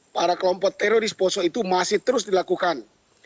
para kelompok teroris poso itu masih terus dilakukan